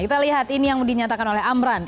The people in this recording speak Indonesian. kita lihat ini yang dinyatakan oleh amran